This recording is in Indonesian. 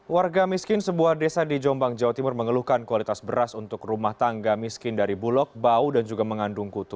warga miskin sebuah desa di jombang jawa timur mengeluhkan kualitas beras untuk rumah tangga miskin dari bulog bau dan juga mengandung kutu